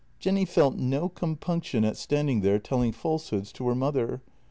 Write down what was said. Jenny felt no compunction at standing there telling falsehoods to her mother.